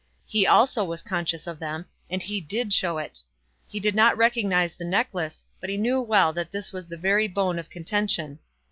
He also was conscious of them, and he did show it. He did not recognise the necklace, but he knew well that this was the very bone of contention.